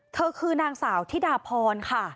เธอคือนางสาวธิดาพรค่ะ